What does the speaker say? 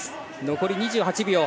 残り２８秒。